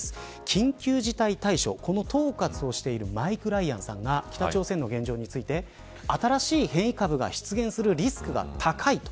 緊急事態対処、この統括をしているマイク・ライアンさんが北朝鮮の現状について新しい変異株が出現するリスクが高い。